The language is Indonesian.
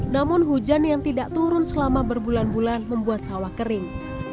namun hujan yang tidak turun selama berbulan bulan membuat sawah kering